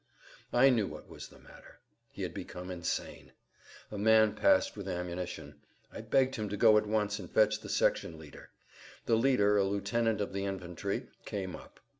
I knew what was the matter. He had become insane. A man passed with ammunition. I begged him to go at once and fetch the section leader. The leader, a lieutenant of the infantry, came up.